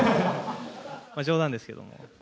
冗談ですけども。